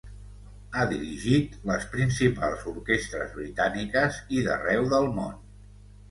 Ha dirigit les principals orquestres britàniques i d'arreu del món.